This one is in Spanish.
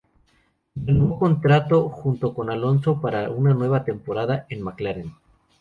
Renovó contrato junto con Alonso para una nueva temporada en McLaren.